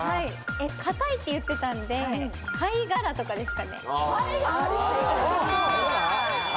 硬いって言ってたんで、貝殻とかですかね？